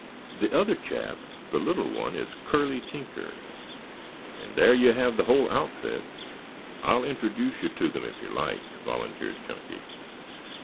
"The other chap, the little one, is Curley Tinker. And there you have the whole outfit. I'll introduce you to them if you like," volunteered Chunky.